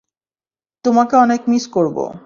তোমাকে অনেক মিস করব।